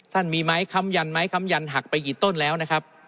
ท่านมีไม้คำยันหักไปกี่ต้นแล้วนะครับ